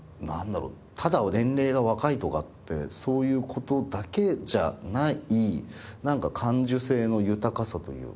ただ年齢が若いとかってそういう事だけじゃない感受性の豊かさというか。